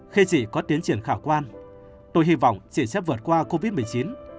khi chị có tiến triển khả quan tôi hy vọng chị sẽ vượt qua covid một mươi chín